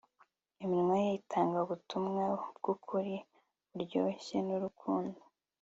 iminwa ye itanga ubutumwa bwukuri buryoshye nurukundo